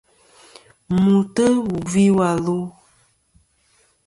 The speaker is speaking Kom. Mùtɨ wù gvi wà lu.